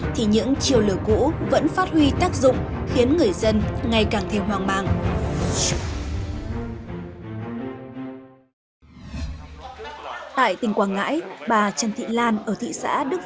thì những chiều lừa cũ vẫn phát huy tác dụng khiến người dân ngày càng thêm hoang mạng